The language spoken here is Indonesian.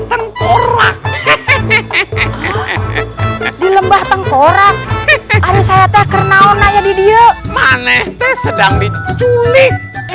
tengkorak hehehe di lembah tengkorak aduh saya teh kenaon ayah didiuk maneh teh sedang diculik